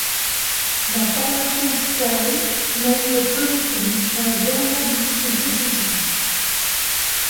La formation Sky mène le peloton dans la dernière difficulté du jour.